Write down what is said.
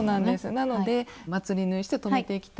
なのでまつり縫いして留めていきたいと思います。